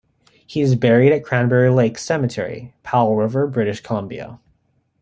He is buried at Cranberry Lake Cemetery, Powell River, British Columbia.